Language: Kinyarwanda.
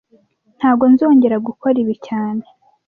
Ntago nzongera gukora ibi cyane